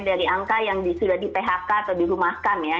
dari angka yang sudah di phk atau dirumahkan ya